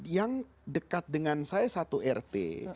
yang dekat dengan saya satu rt